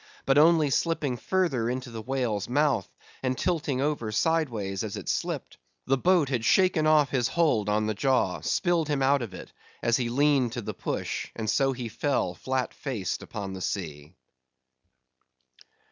But only slipping further into the whale's mouth, and tilting over sideways as it slipped, the boat had shaken off his hold on the jaw; spilled him out of it, as he leaned to the push; and so he fell flat faced upon the sea.